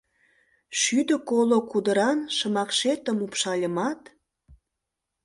Шӱдӧ коло кудыран шымакшетым упшальымат, -